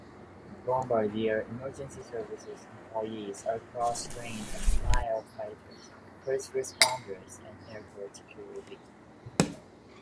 Bombardier Emergency Services employees are cross-trained as firefighters, first responders and airport security.